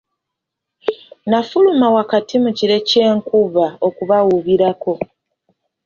N'afuluma wakati mu kire ky'enkuba okubawuubirako.